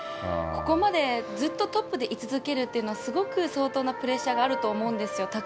ここまでずっとトップでい続けるというのは、すごく相当なプレッシャーがあると思うんですよ。